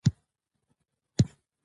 نه به مي قبر چاته معلوم وي